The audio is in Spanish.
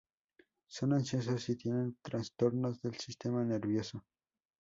Son ansiosos y tienen trastornos del sistema nervioso.